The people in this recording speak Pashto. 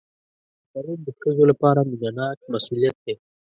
تنور د ښځو لپاره مینهناک مسؤلیت دی